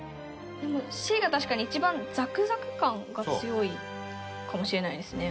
Ｃが確かに一番ザクザク感が強いかもしれないですね。